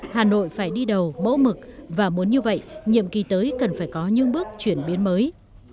hà nội phải đi đầu mẫu mực và muốn như vậy nhiệm kỳ tới cần phải có những bước chuyển biến mới